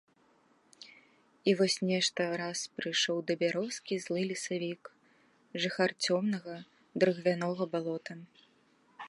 І вось нешта раз прыйшоў да бярозкі злы лесавік, жыхар цёмнага дрыгвянога балота.